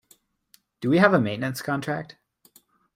Do we have a maintenance contract?